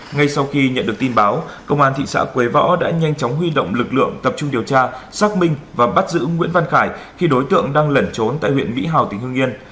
ngay sau khi nhận được tin báo công an thị xã quế võ đã nhanh chóng huy động lực lượng tập trung điều tra xác minh và bắt giữ nguyễn văn khải khi đối tượng đang lẩn trốn tại huyện mỹ hào tỉnh hương yên